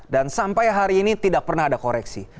dan sampai hari ini tidak pernah ada koreksi